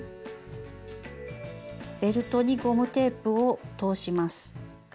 ベルトにゴムテープを通します。